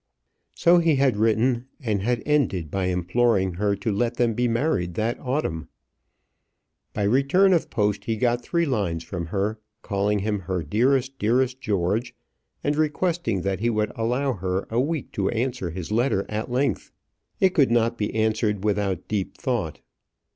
So he had written, and had ended by imploring her to let them be married that autumn. By return of post he got three lines from her, calling him her dearest, dearest George, and requesting that he would allow her a week to answer his letter at length. It could not be answered without deep thought.